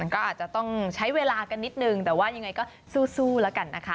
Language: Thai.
ก็อาจจะต้องใช้เวลากันนิดนึงแต่ว่ายังไงก็สู้แล้วกันนะคะ